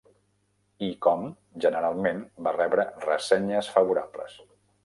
"I Com" generalment va rebre ressenyes favorables.